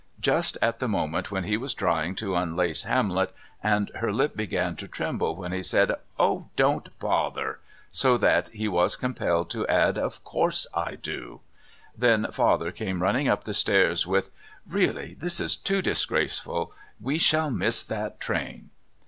just at the moment when he was trying to unlace Hamlet, and her lip began to tremble when he said, "Oh, don't bother," so that he was compelled to add "Of course I do"; then Father came running up the stairs with "Really, this is too disgraceful. We shall miss that train!"